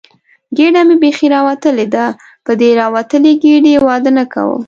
ګېډه مې بیخي راوتلې ده، په دې راوتلې ګېډې واده نه کوم.